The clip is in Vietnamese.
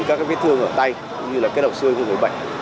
các cái vết thương ở tay như là cái đầu xương của người bệnh